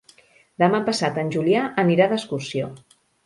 Demà passat en Julià anirà d'excursió.